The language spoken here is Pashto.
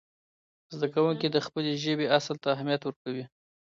زده کوونکي د خپلې ژبې اصل ته اهمیت ورکوي.